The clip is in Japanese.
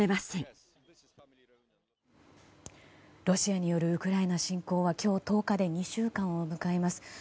ロシアによるウクライナ侵攻は今日１０日で２週間を迎えます。